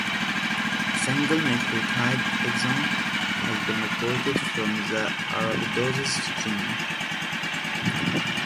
A single-nucleotide exon has been reported from the "Arabidopsis" genome.